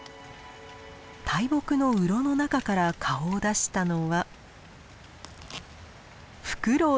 大木のうろの中から顔を出したのは。